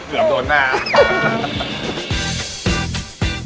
เสื่อมโดนหน้า